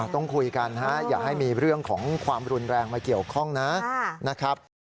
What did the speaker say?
ต้องคุยกันฮะอย่าให้มีเรื่องของความรุนแรงมาเกี่ยวข้องนะครับ